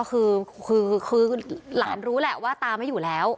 คือคือหลานรู้แหละว่าตาไม่อยู่แล้ว